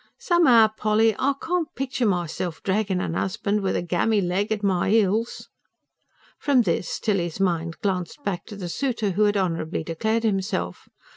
"Some'ow, Polly, I can't picture myself dragging a husband with a gammy leg at my heels." From this, Tilly's mind glanced back to the suitor who had honourably declared himself.